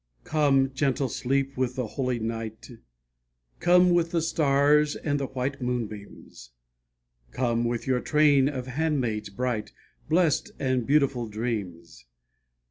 Come, gentle sleep, with the holy night, Come with the stars and the white moonbeams, Come with your train of handmaids bright, Blessed and beautiful dreams.